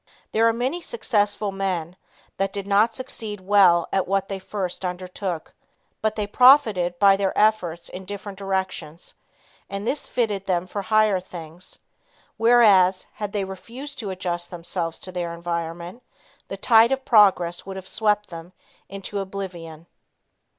There are many successful men, that did not succeed well at what they first undertook, but they profited by their efforts in different directions, and this fitted them for higher things, whereas had they refused to adjust themselves to their environment, the tide of progress would have swept them into oblivion.